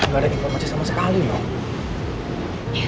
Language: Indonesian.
nggak ada informasi sama sekali loh